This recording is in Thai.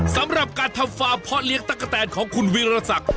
สำหรับการทำฟาร์มเพาะเลี้ยตะกะแตนของคุณวีรศักดิ์